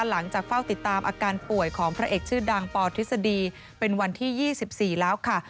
หลังจากเฝ้าติดตามอาการป่วยของพระเอกชื่อดังปทฤษฎีเป็นวันที่๒๔แล้วค่ะ